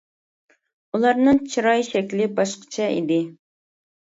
ئۇلارنىڭ چىراي شەكلى باشقىچە ئىدى.